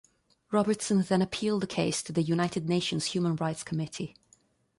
Robertson then appealed the case to the United Nations Human Rights Committee.